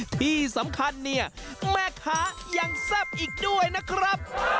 ที่สำคัญเนี่ยแม่ค้ายังแซ่บอีกด้วยนะครับ